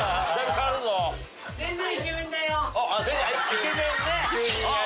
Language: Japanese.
イケメンね！